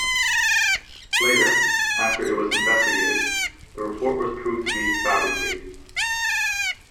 Later, after it was investigated, the report was proved to be fabricated.